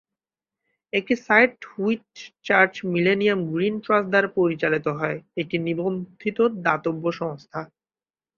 একটি site Whitchurch Millennium Green Trust দ্বারা পরিচালিত হয়, একটি নিবন্ধিত দাতব্য সংস্থা।